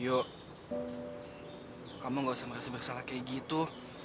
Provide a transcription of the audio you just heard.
yuk kamu gak usah merasa bersalah kayak gitu